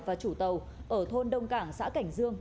và chủ tàu ở thôn đông cảng xã cảnh dương